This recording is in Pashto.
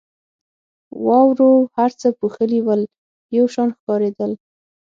واورو هر څه پوښلي ول او یو شان ښکارېدل.